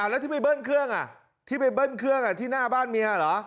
แล้วที่ไปเบิ้ลเครื่องที่หน้าบ้านเมียเหรอ